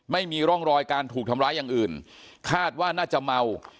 ไม่มีร่องรอยการถูกทำร้ายอย่างอื่นคาดว่าน่าจะเมา